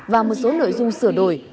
và một số nội dung sửa đổi